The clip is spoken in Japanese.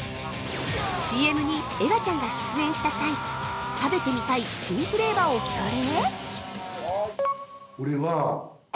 ◆ＣＭにエガちゃんが出演した際食べてみたい新フレーバーを聞かれ。